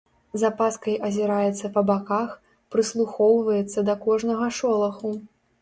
З апаскай азіраецца па баках, прыслухоўваецца да кожнага шолаху.